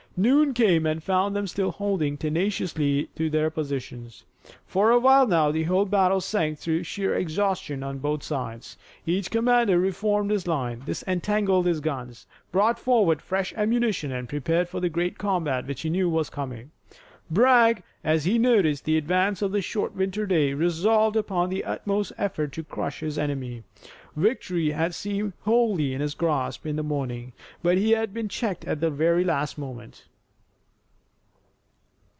Noon came and found them still holding tenaciously to their positions. For a while now the whole battle sank through sheer exhaustion on both sides. Each commander reformed his line, disentangled his guns, brought forward fresh ammunition and prepared for the great combat which he knew was coming. Bragg, as he noticed the advance of the short winter day, resolved upon the utmost effort to crush his enemy. Victory had seemed wholly in his grasp in the morning, but he had been checked at the last moment.